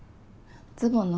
ズボンの。